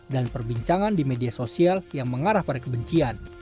dan perbincangan di media sosial yang mengarah pada kebencian